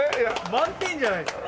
満点じゃないですか。